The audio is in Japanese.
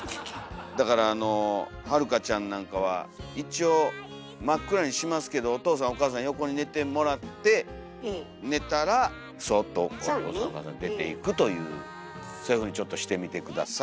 だからはるかちゃんなんかは一応真っ暗にしますけどお父さんお母さん横に寝てもらって寝たらそっとお父さんお母さん出ていくというそういうふうにちょっとしてみて下さい。